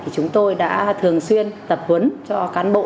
chúng tôi đã thường xuyên tập huấn cho cán bộ